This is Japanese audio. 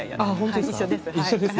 一緒ですね。